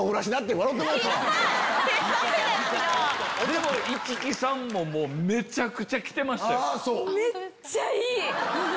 でも市來さんもめちゃくちゃ来てましたよ。